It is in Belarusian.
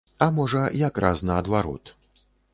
А можа, якраз наадварот.